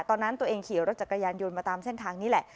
ตอนนั้นตัวเองขี่รถจักรยานยนต์มาตามเส้นทางนี้แหละ